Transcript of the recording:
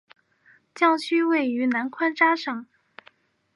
教区位于南宽扎省。